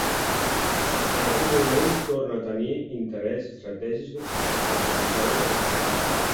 En aquest moment torna a tenir interès estratègic el promontori del Castell.